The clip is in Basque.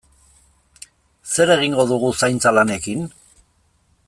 Zer egingo dugu zaintza lanekin?